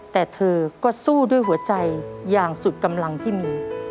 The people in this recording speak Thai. แต่เธอก็สู้ด้วยหัวใจอย่างสุดกำลังที่มี